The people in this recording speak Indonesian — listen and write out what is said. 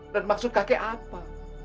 dan maksud kakek apa